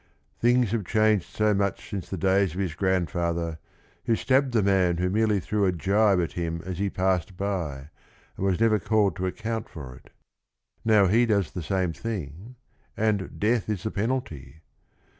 Things have changed so much since the days of his grandfather, who stabbed the man who merely threw a gibe at him as he passed by, and was never called to account for it. Now he does the same thing and "death is the penalty."